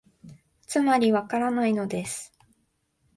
つまり、わからないのです